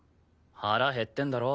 腹減ってんだろ？